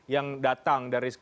yang datang dari